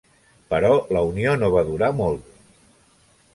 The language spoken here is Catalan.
Però la unió no va durar molt.